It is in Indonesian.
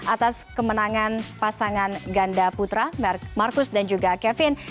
atas kemenangan pasangan ganda putra marcus dan juga kevin